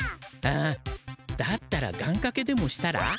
あだったら願かけでもしたら？